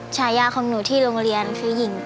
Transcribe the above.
ฉายาของหนูที่โรงเรียนคือหญิง